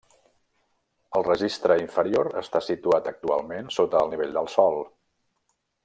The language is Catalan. El registre inferior està situat actualment sota el nivell del sòl.